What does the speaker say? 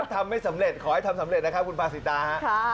ทำไม่สำเร็จขอให้ทำสำเร็จนะครับคุณปาสิตาฮะ